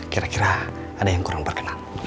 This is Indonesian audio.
kira kira ada yang kurang terkenal